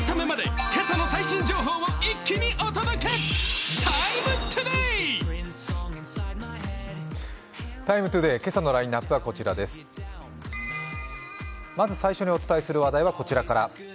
まず最初にお伝えする話題はこちらから。